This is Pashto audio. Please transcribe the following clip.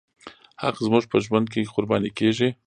حق زموږ په ژوند کې قرباني کېږي.